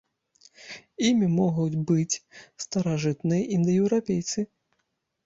Імі могуць быць старажытныя індаеўрапейцы.